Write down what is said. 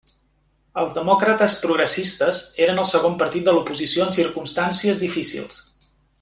Els Demòcrates Progressistes eren el segon partit de l'oposició en circumstàncies difícils.